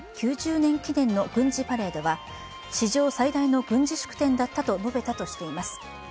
９０年記念の軍事パレードは、史上最大の軍事祝典だったと述べたとしています。